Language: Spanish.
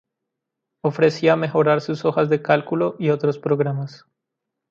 Ofrecía mejorar sus hojas de cálculo y otros programas.